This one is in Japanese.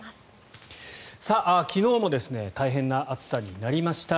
昨日も大変な暑さになりました。